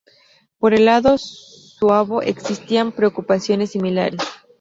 Por el lado suabo existían preocupaciones similares.